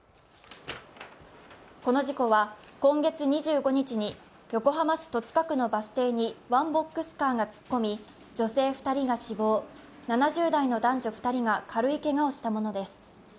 この事故は今月２５日に横浜市戸塚区のバス停にワンボックスカーが突っ込み女性２人が死亡、７０代の男女２人が軽いけがをしたものです。